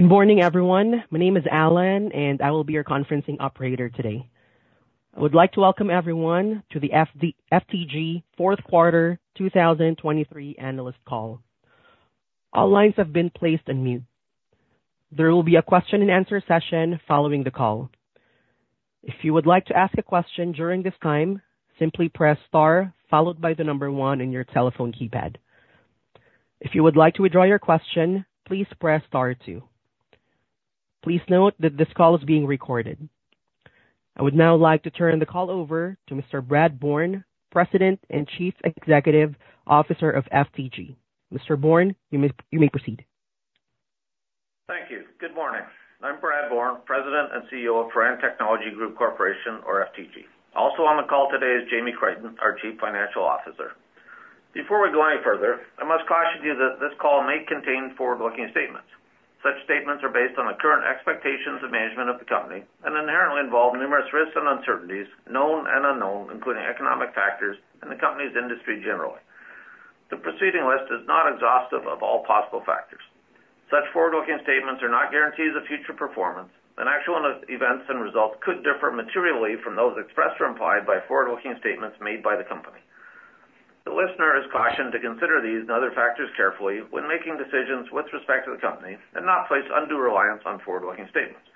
Good morning, everyone. My name is Alan, and I will be your conferencing operator today. I would like to welcome everyone to the FTG fourth quarter 2023 analyst call. All lines have been placed on mute. There will be a question and answer session following the call. If you would like to ask a question during this time, simply press star followed by the number one on your telephone keypad. If you would like to withdraw your question, please press star two. Please note that this call is being recorded. I would now like to turn the call over to Mr. Brad Bourne, President and Chief Executive Officer of FTG. Mr. Bourne, you may, you may proceed. Thank you. Good morning. I'm Brad Bourne, President and CEO of Firan Technology Group Corporation, or FTG. Also on the call today is Jamie Crichton, our Chief Financial Officer. Before we go any further, I must caution you that this call may contain forward-looking statements. Such statements are based on the current expectations of management of the company and inherently involve numerous risks and uncertainties, known and unknown, including economic factors and the company's industry generally. The preceding list is not exhaustive of all possible factors. Such forward-looking statements are not guarantees of future performance, and actual events and results could differ materially from those expressed or implied by forward-looking statements made by the company. The listener is cautioned to consider these and other factors carefully when making decisions with respect to the company and not place undue reliance on forward-looking statements.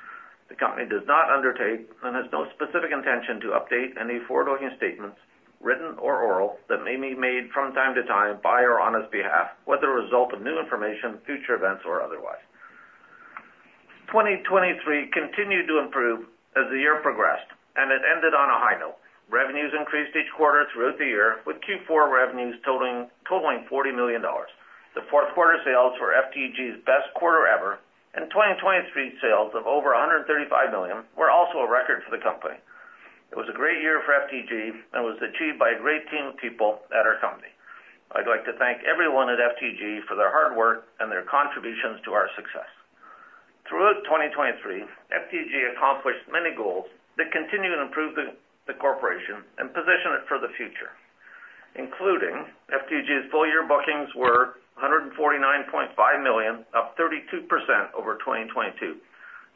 The company does not undertake and has no specific intention to update any forward-looking statements, written or oral, that may be made from time to time by or on its behalf, whether a result of new information, future events, or otherwise. 2023 continued to improve as the year progressed, and it ended on a high note. Revenues increased each quarter throughout the year, with Q4 revenues totaling 40 million dollars. The fourth quarter sales were FTG's best quarter ever, and 2023 sales of over 135 million were also a record for the company. It was a great year for FTG and was achieved by a great team of people at our company. I'd like to thank everyone at FTG for their hard work and their contributions to our success. Throughout 2023, FTG accomplished many goals that continued to improve the corporation and position it for the future, including FTG's full-year bookings were 149.5 million, up 32% over 2022,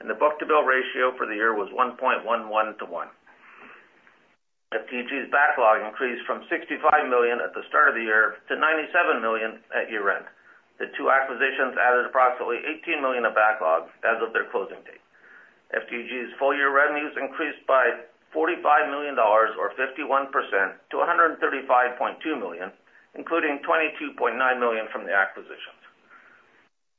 and the book-to-bill ratio for the year was 1.11 to 1. FTG's backlog increased from 65 million at the start of the year to 97 million at year-end. The two acquisitions added approximately 18 million of backlog as of their closing date. FTG's full-year revenues increased by 45 million dollars, or 51%, to 135.2 million, including 22.9 million from the acquisitions.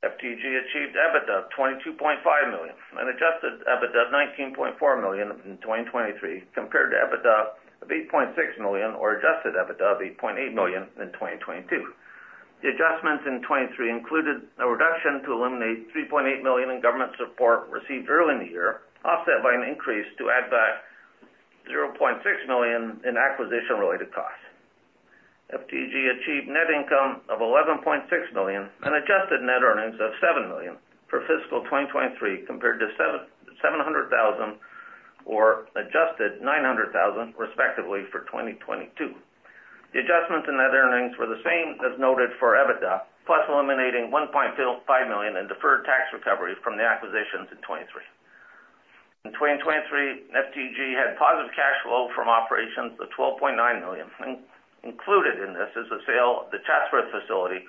FTG achieved EBITDA of 22.5 million and Adjusted EBITDA of 19.4 million in 2023, compared to EBITDA of 8.6 million or Adjusted EBITDA of 8.8 million in 2022. The adjustments in 2023 included a reduction to eliminate 3.8 million in government support received early in the year, offset by an increase to add back 0.6 million in acquisition-related costs. FTG achieved net income of 11.6 million and Adjusted Net Earnings of 7 million for fiscal 2023, compared to 700,000 or adjusted 900,000, respectively, for 2022. The adjustments in net earnings were the same as noted for EBITDA, plus eliminating 1.5 million in deferred tax recoveries from the acquisitions in 2023. In 2023, FTG had positive cash flow from operations of 12.9 million. Included in this is the sale of the Chatsworth facility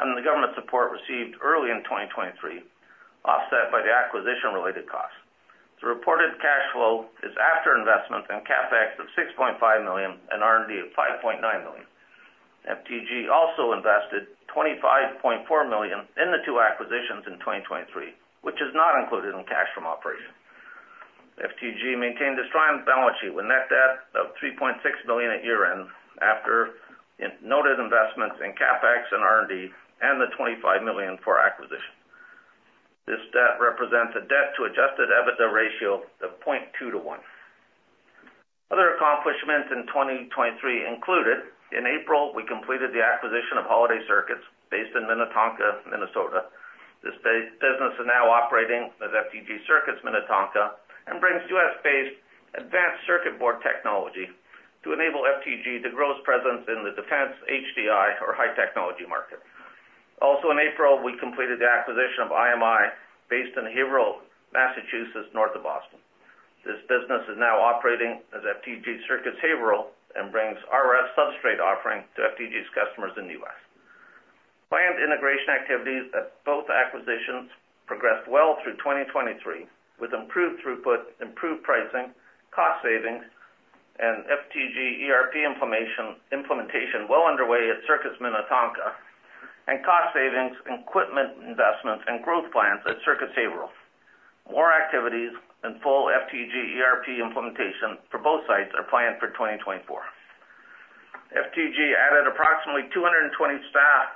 and the government support received early in 2023, offset by the acquisition-related costs. The reported cash flow is after investments in CapEx of 6.5 million and R&D of 5.9 million. FTG also invested 25.4 million in the two acquisitions in 2023, which is not included in cash from operations. FTG maintained a strong balance sheet with net debt of 3.6 million at year-end, after in-noted investments in CapEx and R&D and the 25 million for acquisition. This debt represents a debt to Adjusted EBITDA ratio of 0.2 to 1. Other accomplishments in 2023 included: in April, we completed the acquisition of Holaday Circuits based in Minnetonka, Minnesota. This business is now operating as FTG Circuits Minnetonka and brings U.S.-based advanced circuit board technology to enable FTG to grow its presence in the defense, HDI, or high technology market. Also in April, we completed the acquisition of IMI, based in Haverhill, Massachusetts, north of Boston. This business is now operating as FTG Circuits Haverhill and brings RF substrate offering to FTG's customers in the U.S. Planned integration activities at both acquisitions progressed well through 2023, with improved throughput, improved pricing, cost savings, and FTG ERP information implementation well underway at Circuits Minnetonka and cost savings, equipment investments and growth plans at Circuits Haverhill. More activities and full FTG ERP implementation for both sites are planned for 2024. FTG added approximately 220 staff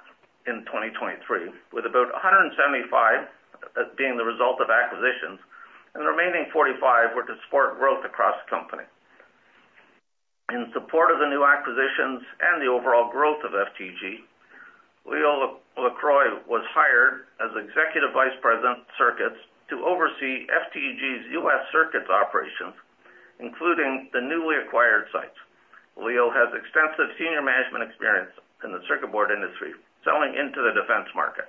in 2023, with about 175 being the result of acquisitions and the remaining 45 were to support growth across the company. In support of the new acquisitions and the overall growth of FTG, Leo LaCroix was hired as Executive Vice President of Circuits to oversee FTG's U.S. Circuits operations, including the newly acquired sites. Leo has extensive senior management experience in the circuit board industry, selling into the defense market.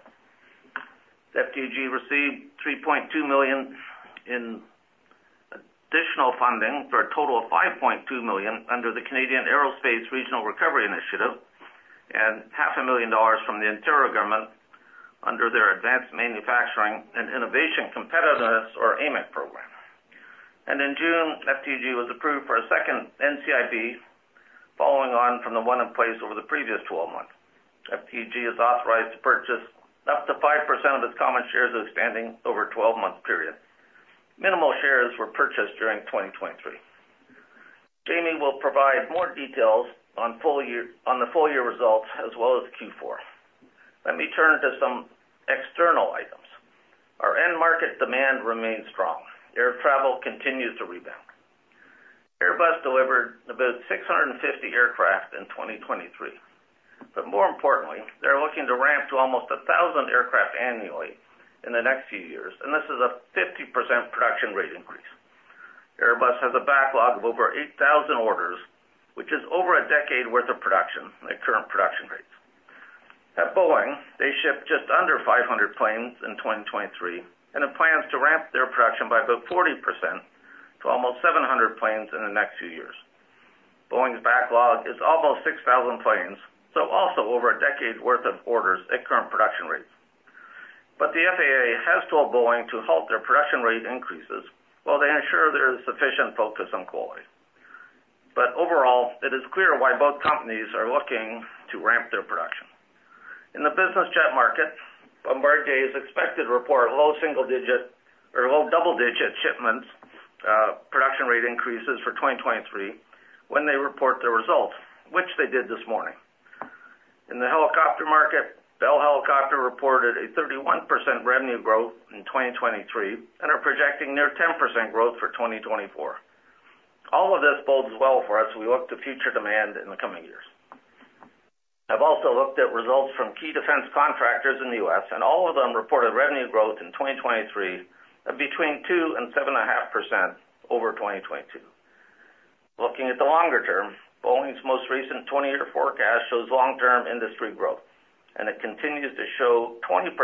FTG received 3.2 million in additional funding for a total of 5.2 million under the Canadian Aerospace Regional Recovery Initiative, and 500,000 dollars from the Ontario government under their Advanced Manufacturing and Innovation Competitiveness, or AMIC program. In June, FTG was approved for a second NCIB, following on from the one in place over the previous 12 months. FTG is authorized to purchase up to 5% of its common shares outstanding over a 12-month period. Minimal shares were purchased during 2023. Jamie will provide more details on the full year results as well as Q4. Let me turn to some external items. Our end market demand remains strong. Air travel continues to rebound. Airbus delivered about 650 aircraft in 2023, but more importantly, they're looking to ramp to almost 1,000 aircraft annually in the next few years, and this is a 50% production rate increase. Airbus has a backlog of over 8,000 orders, which is over a decade worth of production at current production rates. At Boeing, they shipped just under 500 planes in 2023, and have plans to ramp their production by about 40% to almost 700 planes in the next few years. Boeing's backlog is almost 6,000 planes, so also over a decade's worth of orders at current production rates. But the FAA has told Boeing to halt their production rate increases while they ensure there is sufficient focus on quality. But overall, it is clear why both companies are looking to ramp their production. In the business jet market, Bombardier is expected to report low single-digit or low double-digit shipments, production rate increases for 2023 when they report their results, which they did this morning. In the helicopter market, Bell Helicopter reported a 31% revenue growth in 2023, and are projecting near 10% growth for 2024. All of this bodes well for us as we look to future demand in the coming years. I've also looked at results from key defense contractors in the U.S., and all of them reported revenue growth in 2023 of between 2% and 7.5% over 2022. Looking at the longer term, Boeing's most recent 20-year forecast shows long-term industry growth, and it continues to show 20%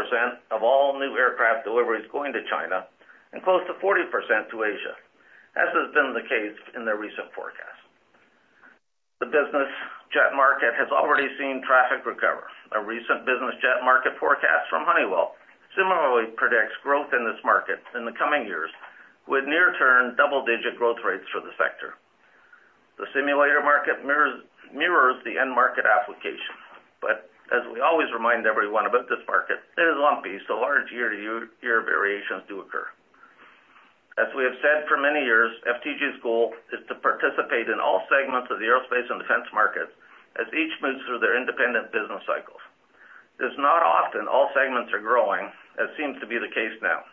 of all new aircraft deliveries going to China and close to 40% to Asia, as has been the case in their recent forecast. The business jet market has already seen traffic recover. A recent business jet market forecast from Honeywell similarly predicts growth in this market in the coming years, with near-term double-digit growth rates for the sector. The simulator market mirrors the end market application. But as we always remind everyone about this market, it is lumpy, so large year-to-year variations do occur. As we have said for many years, FTG's goal is to participate in all segments of the aerospace and defense market as each moves through their independent business cycles. It's not often all segments are growing, as seems to be the case now.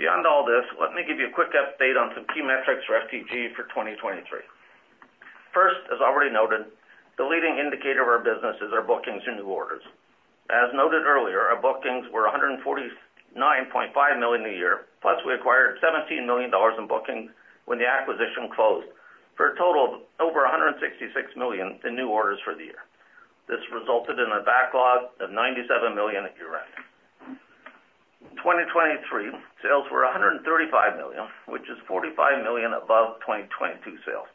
Beyond all this, let me give you a quick update on some key metrics for FTG for 2023. First, as already noted, the leading indicator of our business is our bookings and new orders. As noted earlier, our bookings were 149.5 million a year, plus we acquired $17 million in bookings when the acquisition closed, for a total of over 166 million in new orders for the year. This resulted in a backlog of 97 million at year-end. In 2023, sales were 135 million, which is 45 million above 2022 sales.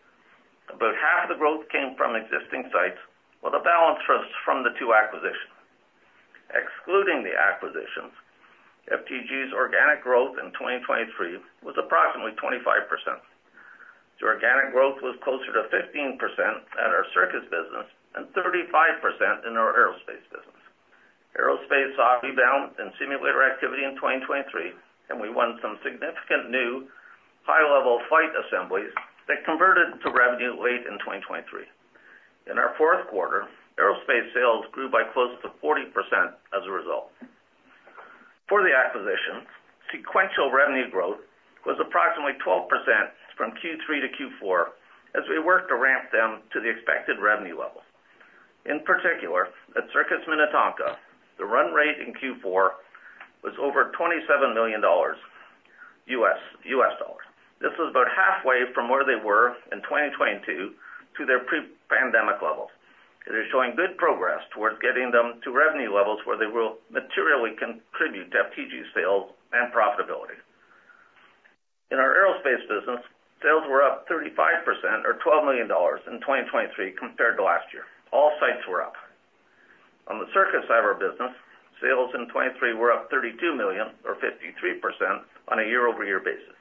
About half the growth came from existing sites, while the balance was from the two acquisitions. Excluding the acquisitions, FTG's organic growth in 2023 was approximately 25%. The organic growth was closer to 15% at our circuits business and 35% in our aerospace business. Aerospace saw a rebound in simulator activity in 2023, and we won some significant new high-level flight assemblies that converted to revenue late in 2023. In our fourth quarter, aerospace sales grew by close to 40% as a result. For the acquisitions, sequential revenue growth was approximately 12% from Q3 to Q4 as we worked to ramp them to the expected revenue level. In particular, at Circuits Minnetonka, the run rate in Q4 was over $27 million. This was about halfway from where they were in 2022 to their pre-pandemic level. They're showing good progress towards getting them to revenue levels where they will materially contribute to FTG's sales and profitability. In our aerospace business, sales were up 35% or 12 million dollars in 2023 compared to last year. All sites were up. On the circuits side of our business, sales in 2023 were up 32 million or 53% on a year-over-year basis.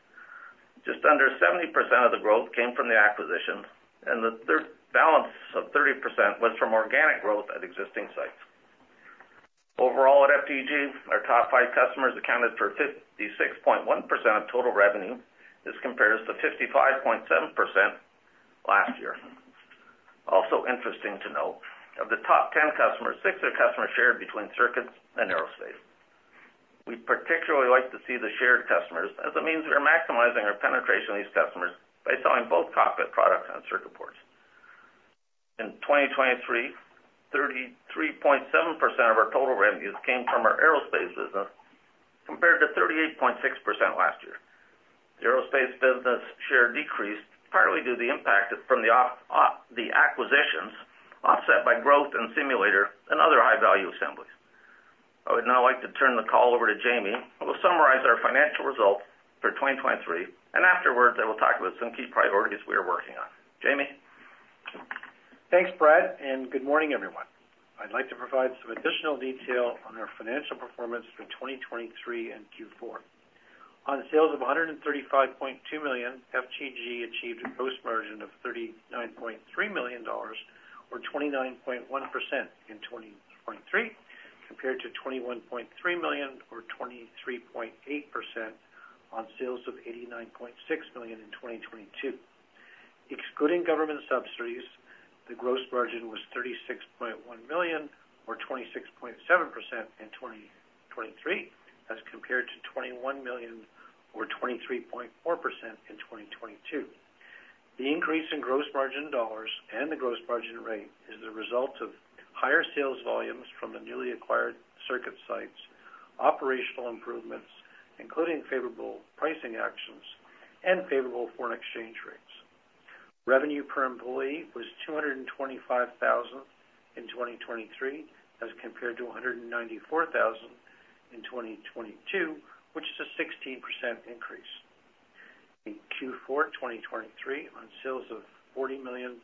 Just under 70% of the growth came from the acquisitions, and the balance of 30% was from organic growth at existing sites. Overall, at FTG, our top five customers accounted for 56.1% of total revenue. This compares to 55.7% last year. Also interesting to note, of the top 10 customers, six are customers shared between circuits and aerospace. We particularly like to see the shared customers, as it means we are maximizing our penetration of these customers by selling both cockpit products and circuit boards. In 2023, 33.7% of our total revenues came from our aerospace business, compared to 38.6% last year. The aerospace business share decreased, partly due to the impact from the acquisitions, offset by growth in simulator and other high-value assemblies. I would now like to turn the call over to Jamie, who will summarize our financial results for 2023, and afterwards, I will talk about some key priorities we are working on. Jamie? Thanks, Brad, and good morning, everyone. I'd like to provide some additional detail on our financial performance for 2023 and Q4. On sales of 135.2 million, FTG achieved a gross margin of 39.3 million dollars, or 29.1% in 2023, compared to 21.3 million or 23.8% on sales of 89.6 million in 2022. Excluding government subsidies, the gross margin was 36.1 million, or 26.7% in 2023, as compared to 21 million, or 23.4% in 2022. The increase in gross margin dollars and the gross margin rate is the result of higher sales volumes from the newly acquired circuit sites, operational improvements, including favorable pricing actions and favorable foreign exchange rates. Revenue per employee was 225,000 in 2023, as compared to 194,000 in 2022, which is a 16% increase. In Q4 2023, on sales of 40 million,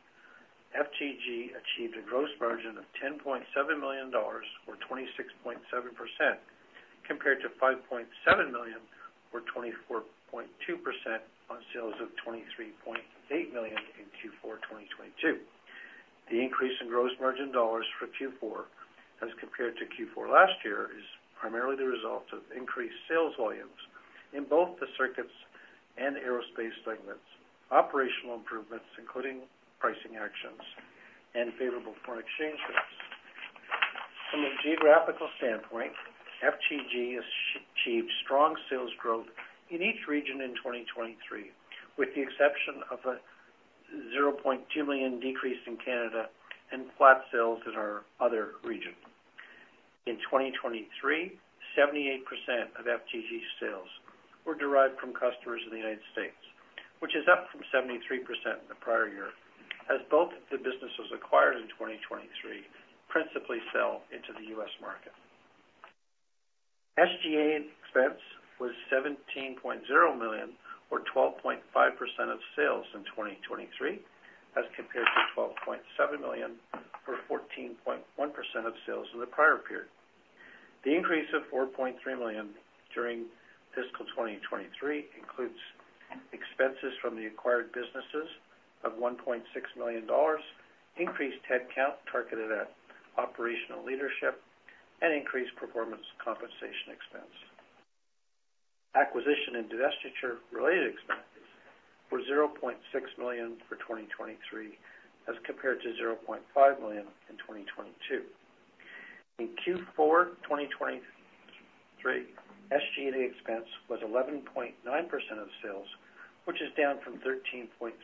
FTG achieved a gross margin of 10.7 million dollars, or 26.7%, compared to 5.7 million, or 24.2% on sales of 23.8 million in Q4 2022. The increase in gross margin dollars for Q4 as compared to Q4 last year, is primarily the result of increased sales volumes in both the circuits and aerospace segments, operational improvements, including pricing actions and favorable foreign exchange rates. From a geographical standpoint, FTG has achieved strong sales growth in each region in 2023, with the exception of a 0.2 million decrease in Canada and flat sales in our other region. In 2023, 78% of FTG's sales were derived from customers in the United States, which is up from 73% in the prior year, as both the businesses acquired in 2023 principally sell into the U.S. market. SG&A expense was 17.0 million, or 12.5% of sales in 2023, as compared to 12.7 million, or 14.1% of sales in the prior period. The increase of 4.3 million during fiscal 2023 includes expenses from the acquired businesses of 1.6 million dollars, increased headcount targeted at operational leadership, and increased performance compensation expense. Acquisition and divestiture-related expenses were 0.6 million for 2023, as compared to 0.5 million in 2022. In Q4 2023, SG&A expense was 11.9% of sales, which is down from 13.3%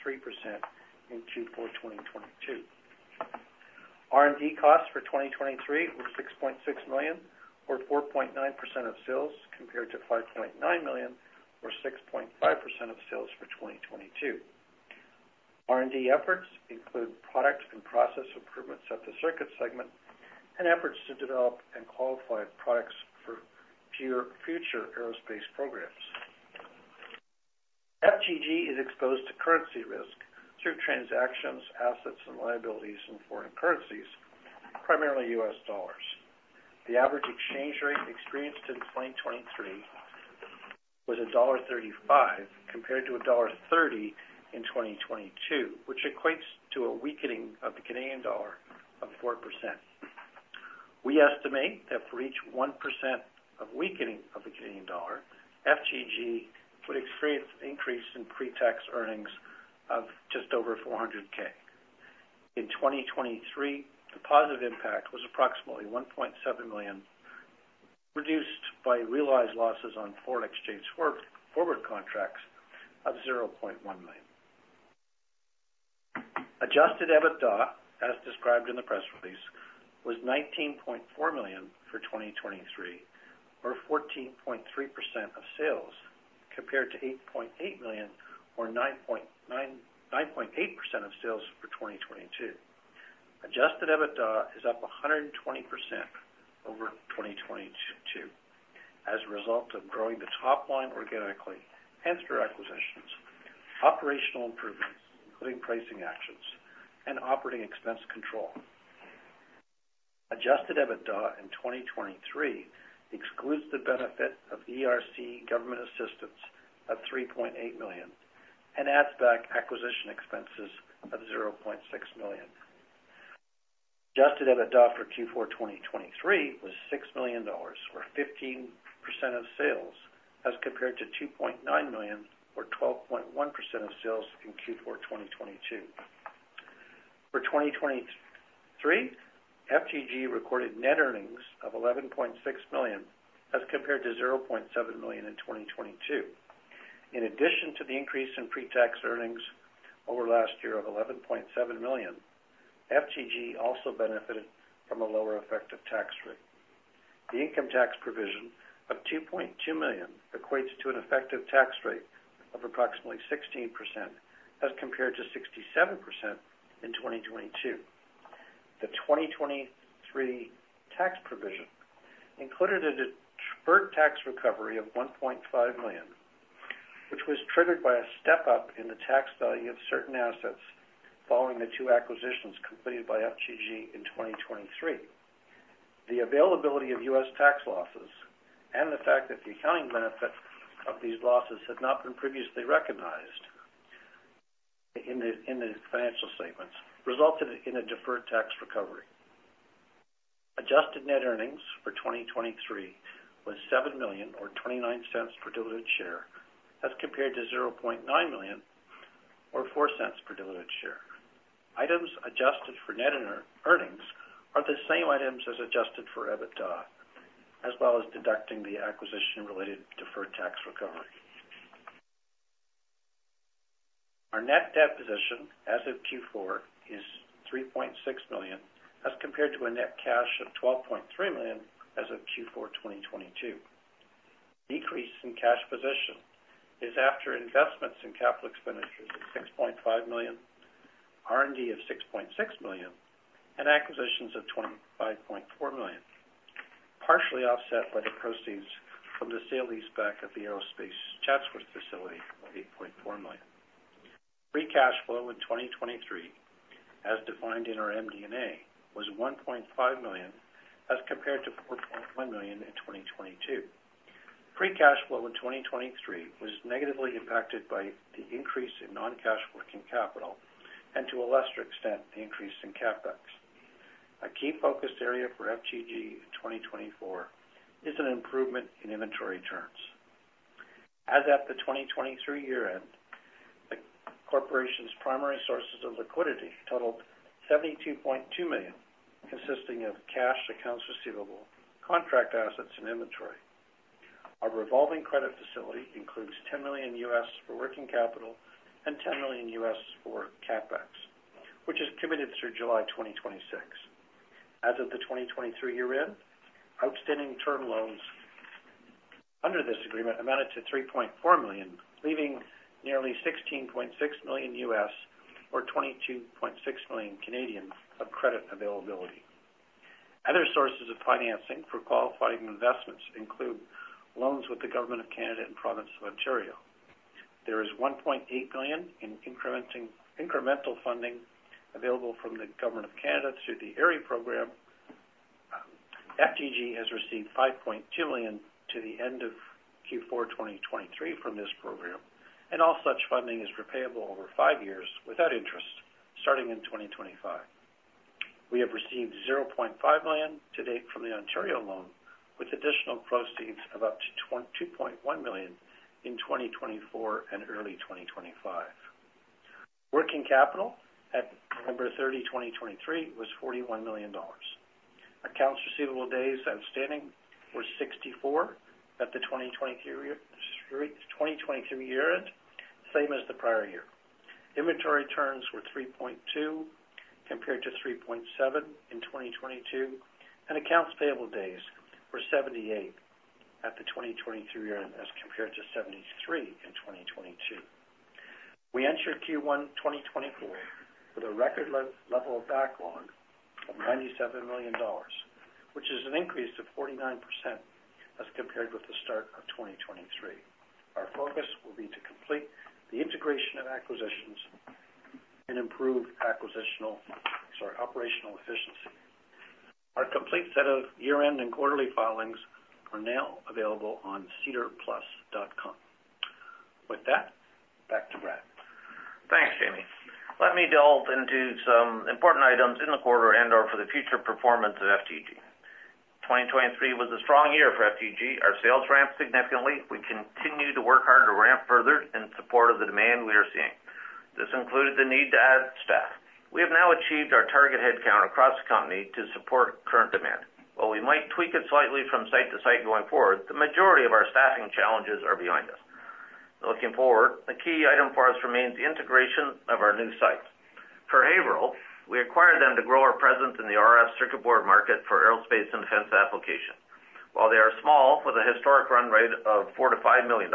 in Q4 2022. R&D costs for 2023 were 6.6 million, or 4.9% of sales, compared to 5.9 million, or 6.5% of sales for 2022. R&D efforts include product and process improvements at the Circuit segment, and efforts to develop and qualify products for near-future aerospace programs. FTG is exposed to currency risk through transactions, assets, and liabilities in foreign currencies, primarily U.S. dollars. The average exchange rate experienced in 2023 was dollar 1.35, compared to dollar 1.30 in 2022, which equates to a weakening of the Canadian dollar of 4%. We estimate that for each 1% weakening of the Canadian dollar, FTG would experience increase in pre-tax earnings of just over 400,000. In 2023, the positive impact was approximately 1.7 million, reduced by realized losses on foreign exchange forward contracts of 0.1 million. Adjusted EBITDA, as described in the press release, was 19.4 million for 2023, or 14.3% of sales, compared to 8.8 million, or 9.8% of sales for 2022. Adjusted EBITDA is up 120% over 2022, as a result of growing the top line organically and through acquisitions, operational improvements, including pricing actions and operating expense control. Adjusted EBITDA in 2023 excludes the benefit of ERC government assistance of 3.8 million, and adds back acquisition expenses of 0.6 million. Adjusted EBITDA for Q4 2023 was 6 million dollars, or 15% of sales, as compared to 2.9 million, or 12.1% of sales in Q4 2022. For 2023, FTG recorded net earnings of 11.6 million, as compared to 0.7 million in 2022. In addition to the increase in pre-tax earnings over last year of 11.7 million, FTG also benefited from a lower effective tax rate. The income tax provision of 2.2 million equates to an effective tax rate of approximately 16%, as compared to 67% in 2022. The 2023 tax provision included a deferred tax recovery of 1.5 million, which was triggered by a step-up in the tax value of certain assets following the two acquisitions completed by FTG in 2023. The availability of U.S. tax losses and the fact that the accounting benefit of these losses had not been previously recognized in the financial statements, resulted in a deferred tax recovery. Adjusted net earnings for 2023 was 7 million, or 0.29 per diluted share, as compared to 0.9 million, or 0.04 per diluted share. Items adjusted for net earnings are the same items as adjusted for EBITDA, as well as deducting the acquisition-related deferred tax recovery. Our net debt position as of Q4 is 3.6 million, as compared to a net cash of 12.3 million as of Q4 2022. Decrease in cash position is after investments in capital expenditures of 6.5 million, R&D of 6.6 million, and acquisitions of 25.4 million, partially offset by the proceeds from the sale-leaseback of the Aerospace Chatsworth facility of 8.4 million. Free cash flow in 2023, as defined in our MD&A, was 1.5 million, as compared to 4.1 million in 2022. Free cash flow in 2023 was negatively impacted by the increase in non-cash working capital and, to a lesser extent, the increase in CapEx. A key focus area for FTG in 2024 is an improvement in inventory turns. As at the 2023 year-end, the corporation's primary sources of liquidity totaled 72.2 million, consisting of cash, accounts receivable, contract assets, and inventory. Our revolving credit facility includes $10 million for working capital and $10 million for CapEx, which is committed through July 2026. As of the 2023 year-end, outstanding term loans under this agreement amounted to $3.4 million, leaving nearly $16.6 million, or 22.6 million, of credit availability. Other sources of financing for qualifying investments include loans with the government of Canada and Province of Ontario. There is 1.8 million in incremental funding available from the government of Canada through the CARI program. FTG has received 5.2 million to the end of Q4 2023 from this program, and all such funding is repayable over five years without interest, starting in 2025. We have received 0.5 million to date from the Ontario loan, with additional proceeds of up to 2.1 million in 2024 and early 2025. Working capital at November 30, 2023, was 41 million dollars. Accounts receivable days outstanding were 64 at the 2023 year-end, same as the prior year. Inventory turns were 3.2, compared to 3.7 in 2022, and accounts payable days were 78 at the 2023 year-end, as compared to 73 in 2022. We entered Q1 2024 with a record level of backlog of 97 million dollars, which is an increase of 49% as compared with the start of 2023. Our focus will be to complete the integration of acquisitions and improve acquisitional, sorry, operational efficiency. Our complete set of year-end and quarterly filings are now available on sedarplus.com. With that, back to Brad. Thanks, Jamie. Let me delve into some important items in the quarter and/or for the future performance of FTG. 2023 was a strong year for FTG. Our sales ramped significantly. We continue to work hard to ramp further in support of the demand we are seeing. This included the need to add staff. We have now achieved our target headcount across the company to support current demand. While we might tweak it slightly from site to site going forward, the majority of our staffing challenges are behind us. Looking forward, a key item for us remains the integration of our new sites. For Haverhill, we acquired them to grow our presence in the RF circuit board market for aerospace and defense application. While they are small, with a historic run rate of $4 million-$5 million,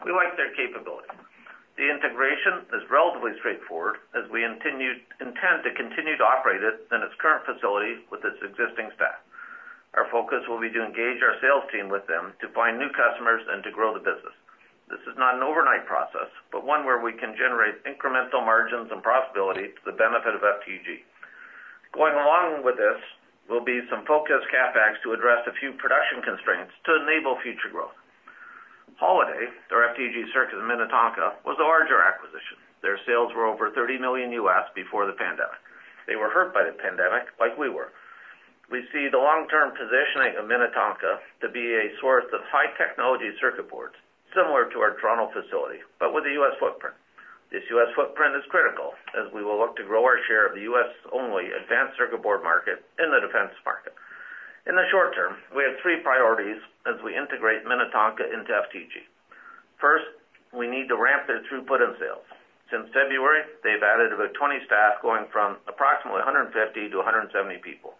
we like their capability. The integration is relatively straightforward, as we intend to continue to operate it in its current facility with its existing staff. Our focus will be to engage our sales team with them to find new customers and to grow the business. This is not an overnight process, but one where we can generate incremental margins and profitability to the benefit of FTG. Going along with this will be some focused CapEx to address a few production constraints to enable future growth. Holaday, or FTG Circuits in Minnetonka, was a larger acquisition. Their sales were over $30 million before the pandemic. They were hurt by the pandemic like we were. We see the long-term positioning of Minnetonka to be a source of high-technology circuit boards, similar to our Toronto facility, but with a U.S. footprint. This U.S. footprint is critical, as we will look to grow our share of the U.S.-only advanced circuit board market in the defense market. In the short term, we have three priorities as we integrate Minnetonka into FTG. First, we need to ramp their throughput and sales. Since February, they've added about 20 staff, going from approximately 150 to 170 people.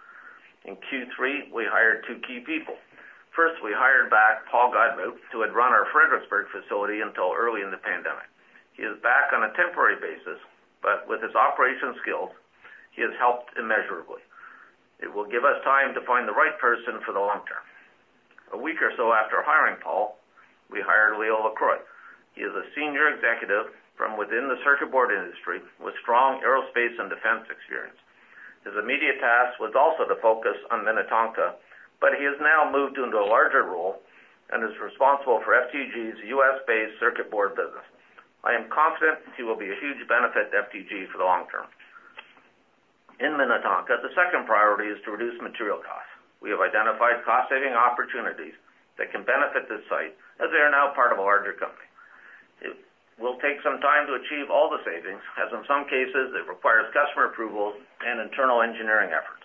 In Q3, we hired two key people. First, we hired back Paul Godbout, who had run our Fredericksburg facility until early in the pandemic. He is back on a temporary basis, but with his operations skills, he has helped immeasurably. It will give us time to find the right person for the long term. A week or so after hiring Paul, we hired Leo LaCroix. He is a senior executive from within the circuit board industry with strong aerospace and defense experience. His immediate task was also to focus on Minnetonka, but he has now moved into a larger role and is responsible for FTG's U.S.-based circuit board business. I am confident he will be a huge benefit to FTG for the long term. In Minnetonka, the second priority is to reduce material costs. We have identified cost-saving opportunities that can benefit this site as they are now part of a larger company. It will take some time to achieve all the savings, as in some cases, it requires customer approvals and internal engineering efforts.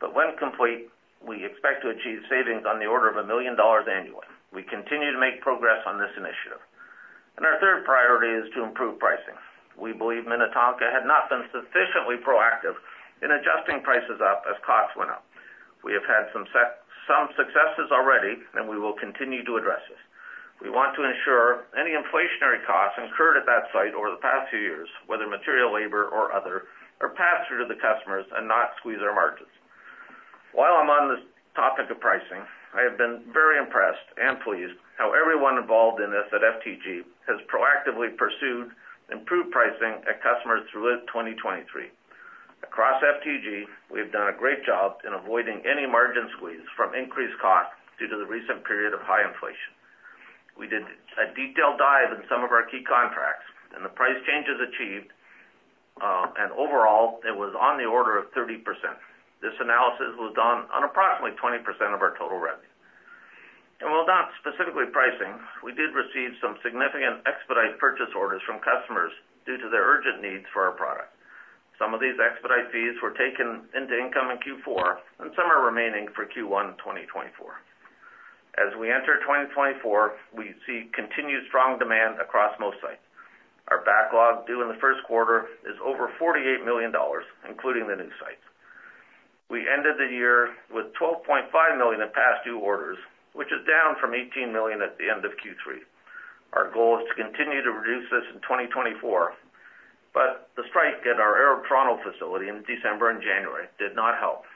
But when complete, we expect to achieve savings on the order of $1 million annually. We continue to make progress on this initiative. Our third priority is to improve pricing. We believe Minnetonka had not been sufficiently proactive in adjusting prices up as costs went up. We have had some successes already, and we will continue to address this. We want to ensure any inflationary costs incurred at that site over the past few years, whether material, labor, or other, are passed through to the customers and not squeeze our margins. While I'm on this topic of pricing, I have been very impressed and pleased how everyone involved in this at FTG has proactively pursued improved pricing at customers throughout 2023. Across FTG, we have done a great job in avoiding any margin squeeze from increased costs due to the recent period of high inflation. We did a detailed dive in some of our key contracts and the price changes achieved, and overall, it was on the order of 30%. This analysis was done on approximately 20% of our total revenue. While not specifically pricing, we did receive some significant expedited purchase orders from customers due to their urgent needs for our product. Some of these expedite fees were taken into income in Q4, and some are remaining for Q1 2024. As we enter 2024, we see continued strong demand across most sites. Our backlog due in the first quarter is over 48 million dollars, including the new sites. We ended the year with 12.5 million in past due orders, which is down from 18 million at the end of Q3. Our goal is to continue to reduce this in 2024, but the strike at our Aero Toronto facility in December and January did not help.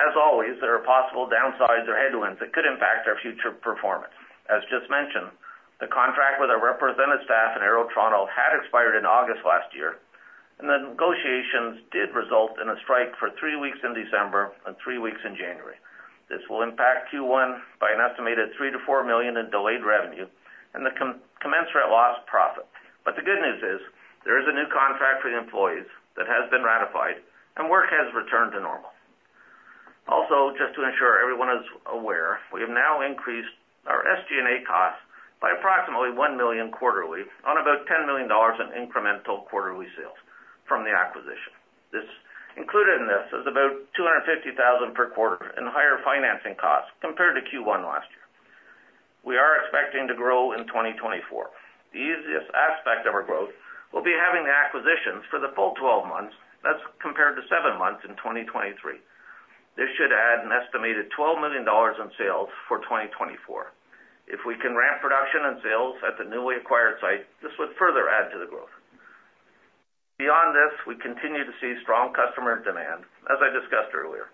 As always, there are possible downsides or headwinds that could impact our future performance. As just mentioned, the contract with our representative staff in Aero Toronto had expired in August last year, and the negotiations did result in a strike for three weeks in December and three weeks in January. This will impact Q1 by an estimated 3 million-4 million in delayed revenue and the commensurate lost profit. But the good news is, there is a new contract for the employees that has been ratified and work has returned to normal. Also, just to ensure everyone is aware, we have now increased our SG&A costs by approximately 1 million quarterly on about 10 million dollars in incremental quarterly sales from the acquisition. This included in this is about 250,000 per quarter in higher financing costs compared to Q1 last year. We are expecting to grow in 2024. The easiest aspect of our growth will be having the acquisitions for the full 12 months, that's compared to seven months in 2023. This should add an estimated 12 million dollars in sales for 2024. If we can ramp production and sales at the newly acquired site, this would further add to the growth. Beyond this, we continue to see strong customer demand, as I discussed earlier,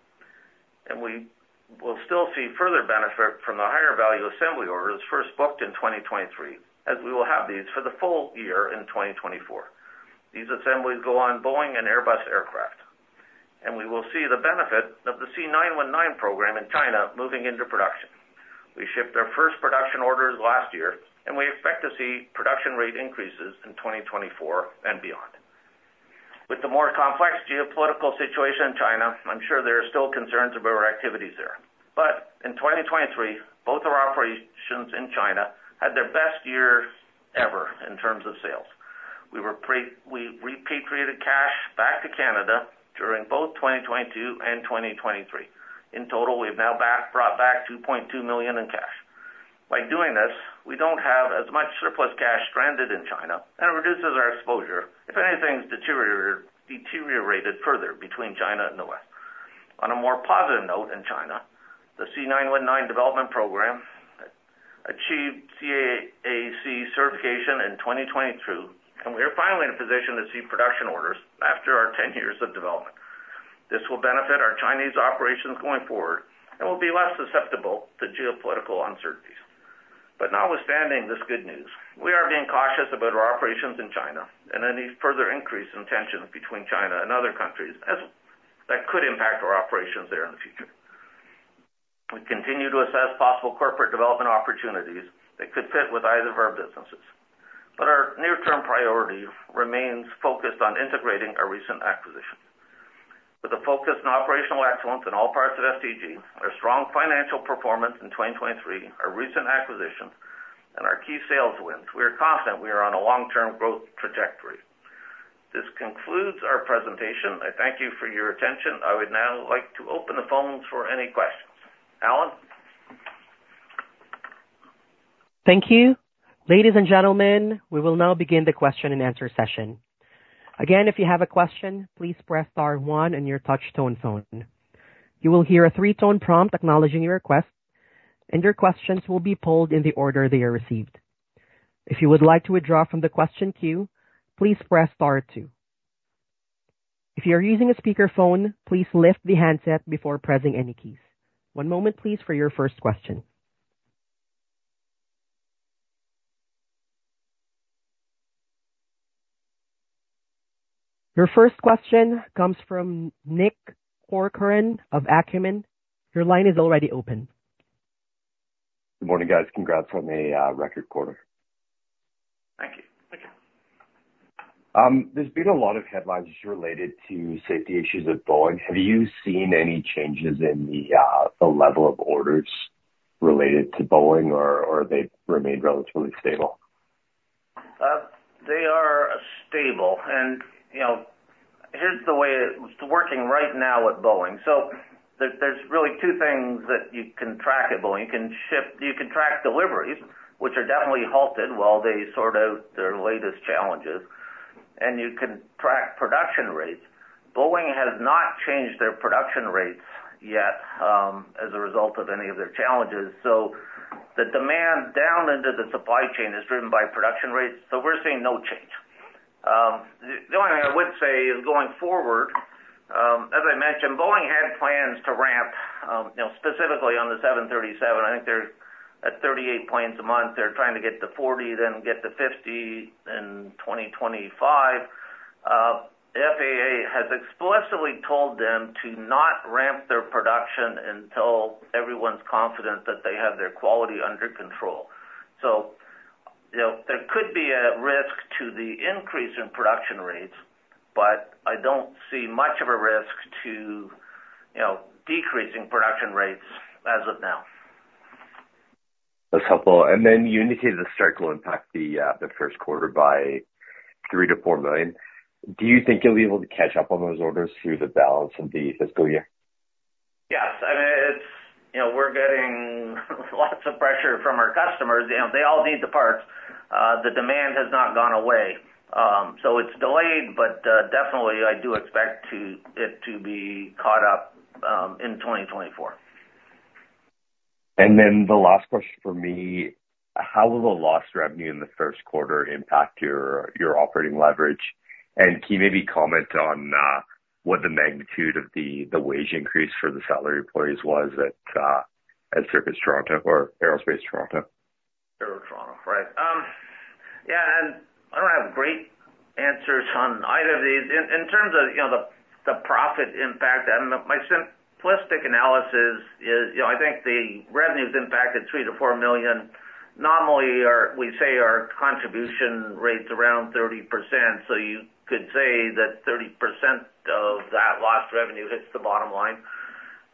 and we will still see further benefit from the higher value assembly orders first booked in 2023, as we will have these for the full year in 2024. These assemblies go on Boeing and Airbus aircraft, and we will see the benefit of the C919 program in China moving into production. We shipped our first production orders last year, and we expect to see production rate increases in 2024 and beyond. With the more complex geopolitical situation in China, I'm sure there are still concerns about our activities there. But in 2023, both our operations in China had their best years ever in terms of sales. We repatriated cash back to Canada during both 2022 and 2023. In total, we've now brought back 2.2 million in cash. By doing this, we don't have as much surplus cash stranded in China, and it reduces our exposure if anything's deteriorated further between China and the West. On a more positive note, in China, the C919 development program achieved CAAC certification in 2022, and we are finally in a position to see production orders after our 10 years of development. This will benefit our Chinese operations going forward and will be less susceptible to geopolitical uncertainties. Notwithstanding this good news, we are being cautious about our operations in China and any further increase in tensions between China and other countries, as that could impact our operations there in the future. We continue to assess possible corporate development opportunities that could fit with either of our businesses, but our near-term priority remains focused on integrating our recent acquisition. With a focus on operational excellence in all parts of FTG, our strong financial performance in 2023, our recent acquisition, and our key sales wins, we are confident we are on a long-term growth trajectory. This concludes our presentation. I thank you for your attention. I would now like to open the phone for any questions. Alan? Thank you. Ladies and gentlemen, we will now begin the question and answer session. Again, if you have a question, please press star one on your touchtone phone. You will hear a three-tone prompt acknowledging your request, and your questions will be pulled in the order they are received. If you would like to withdraw from the question queue, please press star two. If you are using a speakerphone, please lift the handset before pressing any keys. One moment, please, for your first question. Your first question comes from Nick Corcoran of Acumen. Your line is already open. Good morning, guys. Congrats on a record quarter. Thank you. Thank you. There's been a lot of headlines related to safety issues with Boeing. Have you seen any changes in the level of orders related to Boeing, or they've remained relatively stable? They are stable, and, you know, here's the way it's working right now with Boeing. So there's really two things that you can track at Boeing. You can ship, you can track deliveries, which are definitely halted while they sort out their latest challenges, and you can track production rates. Boeing has not changed their production rates yet, as a result of any of their challenges, so the demand down into the supply chain is driven by production rates, so we're seeing no change. The only thing I would say is, going forward, as I mentioned, Boeing had plans to ramp, you know, specifically on the 737. I think they're at 38 planes a month. They're trying to get to 40, then get to 50 in 2025. The FAA has explicitly told them to not ramp their production until everyone's confident that they have their quality under control. So, you know, there could be a risk to the increase in production rates, but I don't see much of a risk to, you know, decreasing production rates as of now. That's helpful. And then you indicated the strike will impact the first quarter by 3 million-4 million. Do you think you'll be able to catch up on those orders through the balance of the fiscal year? Yes, I mean, it's. You know, we're getting lots of pressure from our customers. You know, they all need the parts. The demand has not gone away. So it's delayed, but definitely I do expect it to be caught up in 2024. Then the last question for me: How will the lost revenue in the first quarter impact your operating leverage? And can you maybe comment on what the magnitude of the wage increase for the salary employees was at Circuits Toronto or Aerospace Toronto? Aero Toronto, right. Yeah, and I don't have great answers on either of these. In terms of, you know, the profit impact, and my simplistic analysis is, you know, I think the revenue is impacted 3 million-4 million. Normally, we say our contribution rates around 30%, so you could say that 30% of that lost revenue hits the bottom line.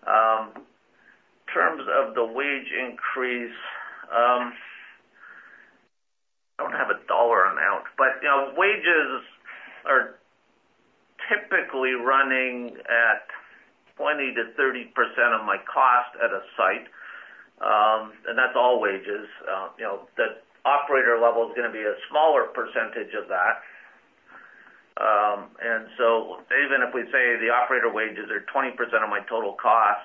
In terms of the wage increase, I don't have a dollar amount, but, you know, wages are typically running at 20%-30% of my cost at a site, and that's all wages. You know, the operator level is gonna be a smaller percentage of that. And so even if we say the operator wages are 20% of my total cost,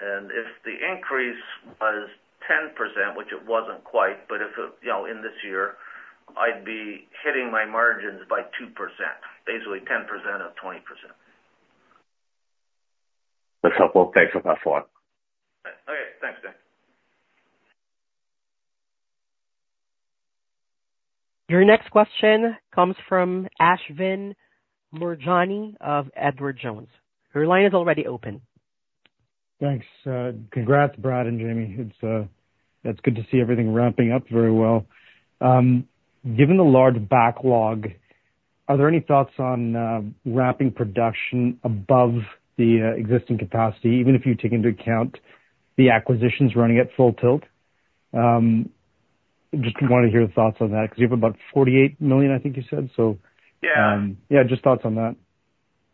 and if the increase was 10%, which it wasn't quite, but if it, you know, in this year, I'd be hitting my margins by 2%, basically 10% of 20%. That's helpful. Thanks for that for one. Okay. Thanks, Nick. Your next question comes from Ashvin Moorjani of Edward Jones. Your line is already open. Thanks. Congrats, Brad and Jamie. It's good to see everything ramping up very well. Given the large backlog, are there any thoughts on ramping production above the existing capacity, even if you take into account the acquisitions running at full tilt? Just want to hear your thoughts on that, because you have about 48 million, I think you said so. Yeah. Yeah, just thoughts on that.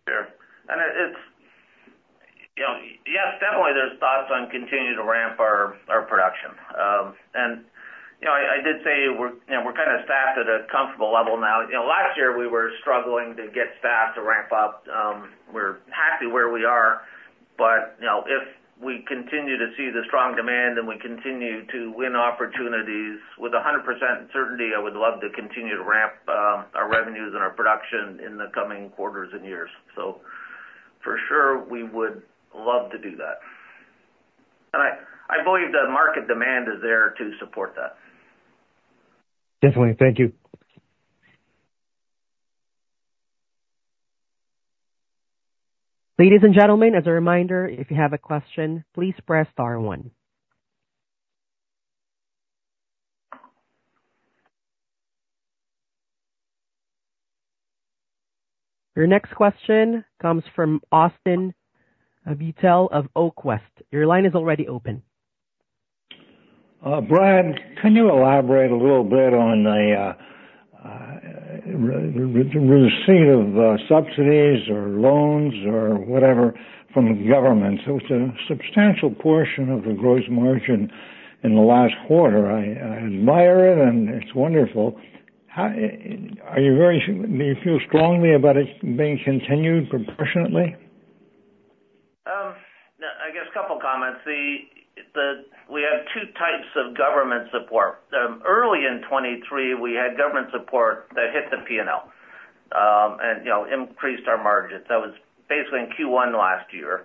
Sure. Yes, definitely there's thoughts on continuing to ramp our production. And, you know, I did say we're, you know, we're kind of staffed at a comfortable level now. You know, last year we were struggling to get staff to ramp up. We're happy where we are, but, you know, if we continue to see the strong demand and we continue to win opportunities, with 100% certainty, I would love to continue to ramp our revenues and our production in the coming quarters and years. So for sure, we would love to do that. And I believe the market demand is there to support that. Definitely. Thank you. Ladies and gentlemen, as a reminder, if you have a question, please press star one. Your next question comes from Austin Beutel of Oakwest. Your line is already open.... Brad, can you elaborate a little bit on the receipt of subsidies or loans or whatever from the government? It was a substantial portion of the gross margin in the last quarter. I admire it, and it's wonderful. How do you feel strongly about it being continued proportionately? No, I guess a couple comments. We have two types of government support. Early in 2023, we had government support that hit the PNL, and, you know, increased our margins. That was basically in Q1 last year.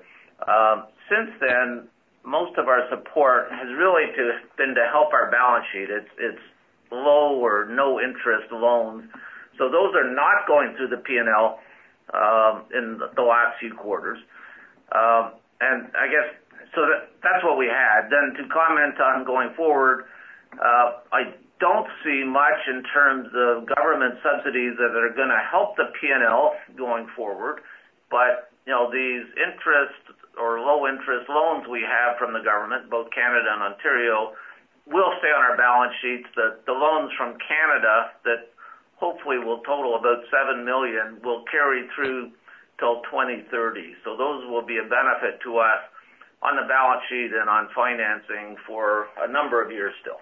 Since then, most of our support has really been to help our balance sheet. It's low or no interest loans. So those are not going through the PNL, in the last few quarters. And I guess, so that's what we had. Then to comment on going forward, I don't see much in terms of government subsidies that are gonna help the PNL going forward, but, you know, these interest or low-interest loans we have from the government, both Canada and Ontario, will stay on our balance sheets. That the loans from Canada, that hopefully will total about 7 million, will carry through till 2030. So those will be a benefit to us on the balance sheet and on financing for a number of years still.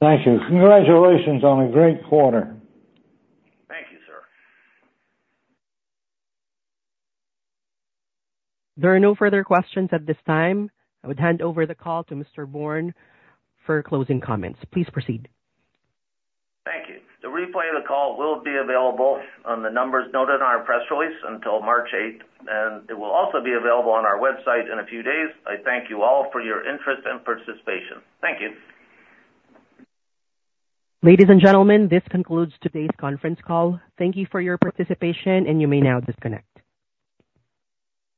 Thank you. Congratulations on a great quarter! Thank you, sir. There are no further questions at this time. I would hand over the call to Mr. Bourne for closing comments. Please proceed. Thank you. The replay of the call will be available on the numbers noted on our press release until March 8th, and it will also be available on our website in a few days. I thank you all for your interest and participation. Thank you. Ladies and gentlemen, this concludes today's conference call. Thank you for your participation, and you may now disconnect.